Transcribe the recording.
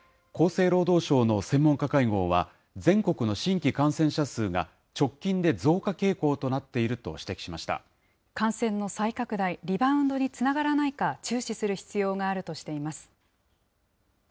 厚生労働省の専門家会合は、全国の新規感染者数が、直近で増加傾向となっていると指摘しまし感染の再拡大、リバウンドにつながらないか、注視する必要があるとしています。